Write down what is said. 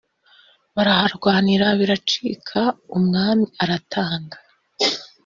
baraharwanira biracika umwami aratanga